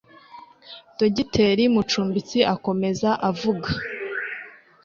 Dogiteri Mucumbitsi akomeza avuga